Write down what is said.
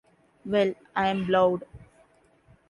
Well, I'm blowed.